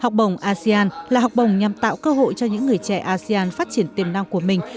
học bổng asean là học bổng nhằm tạo cơ hội cho những người trẻ asean phát triển tiềm năng của mình